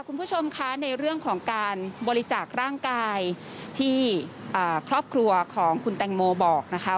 คุณผู้ชมคะในเรื่องของการบริจาคร่างกายที่ครอบครัวของคุณแตงโมบอกนะคะ